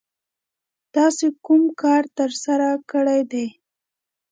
تاسو کوم کار ترسره کړی دی؟